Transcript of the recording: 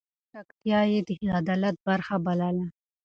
د خدمت چټکتيا يې د عدالت برخه بلله.